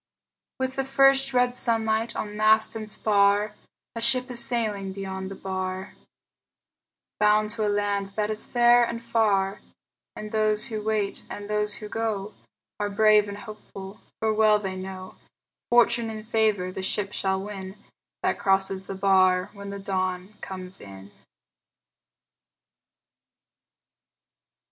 With the first red sunlight on mast and spar A ship is sailing beyond the bar, Bound to a land that is fair and far; And those who wait and those who go Are brave and hopeful, for well they know Fortune and favor the ship shall win That crosses the bar when the dawn comes in.